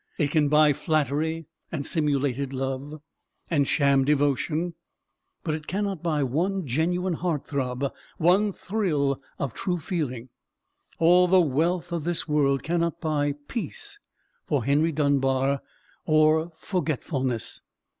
It can buy flattery, and simulated love, and sham devotion, but it cannot buy one genuine heart throb, one thrill of true feeling. All the wealth of this world cannot buy peace for Henry Dunbar, or forgetfulness.